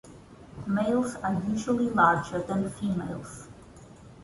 Males are usually larger than females.